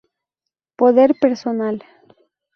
Poder personal.